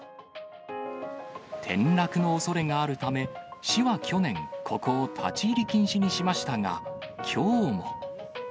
転落のおそれがあるため、市は去年、ここを立ち入り禁止にしましたが、きょうも。